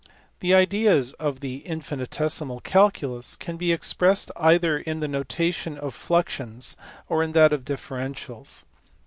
The ideas of the infinitesimal calculus can be expressed either in the notation of fluxions or in that of differentials.